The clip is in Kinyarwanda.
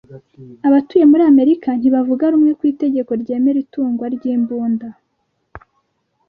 Abatuye Amerika ntibavuga rumwe ku itegeko ryemera itungwa ry’imbunda